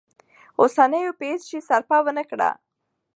اوسنيو په هیڅ شي سرپه ونه کړه.